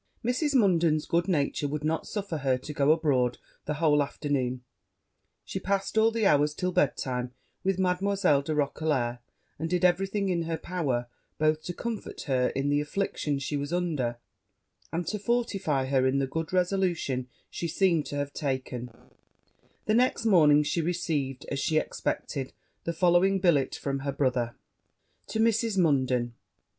Mrs. Munden's good nature would not suffer her to go abroad the whole afternoon; she passed all the hours, till bed time, with Mademoiselle Roquelair, and did every thing in her power both to comfort her in the affliction she was under, and to fortify her in the good resolution she seemed to have taken: the next morning she received, as she expected, the following billet from her brother. 'To Mrs. Munden.